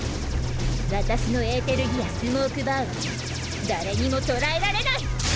私のエーテルギアスモークバーは誰にも捕らえられない！